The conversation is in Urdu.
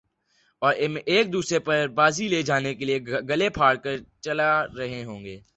اور ایک دوسرے پر بازی لے جانے کیلئے گلے پھاڑ کر چلا رہے ہوں گے